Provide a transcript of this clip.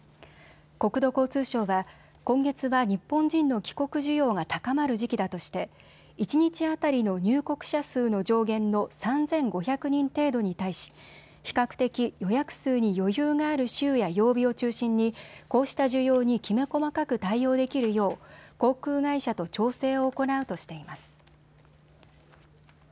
国土交通省は、今月は日本人の帰国需要が高まる時期だとして一日当たりの入国者数の上限の３５００人程度に対し比較的、予約数に余裕がある週や曜日を中心にこうした需要にきめ細かく対応できるよう航空会社と調整を行うとしています。